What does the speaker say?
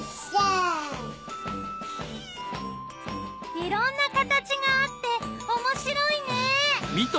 いろんな形があっておもしろいね！